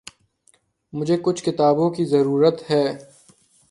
مجھے کچھ کتابوں کی ضرورت ہے۔